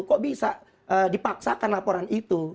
kok bisa dipaksakan laporan itu